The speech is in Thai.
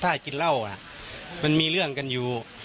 ถ้ากินเหล้ามันมีเรื่องกันอยู่